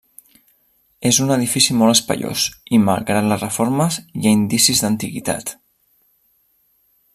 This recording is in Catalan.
És un edifici molt espaiós i, malgrat les reformes, hi ha indicis d'antiguitat.